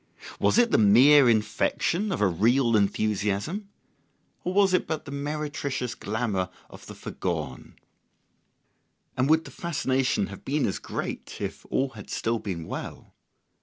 Was it the mere infection of a real enthusiasm? Or was it but the meretricious glamour of the foregone, and would the fascination have been as great if all had still been well?